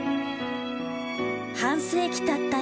半世紀たった